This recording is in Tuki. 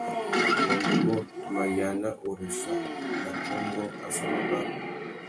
Ungôndumô, tu mà yāna ureffa nà kônkô affámabarú.